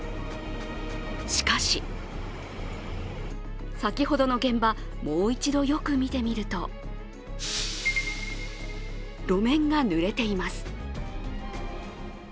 しかし、先ほどの現場、もう一度よく見てみると路面がぬれています。